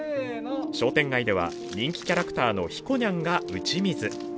商店街では人気キャラクターのひこにゃんが打ち水。